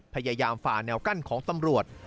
พยายามฝ่าแนวกั้นของสำรวจ